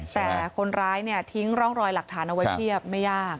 แต่คนร้ายทิ้งร่องรอยหลักฐานเอาไว้เพียบไม่ยาก